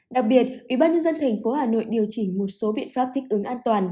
đặc biệt ubnd tp hà nội điều chỉnh một số biện pháp thích ứng an toàn